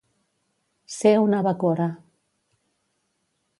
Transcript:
Ser una bacora.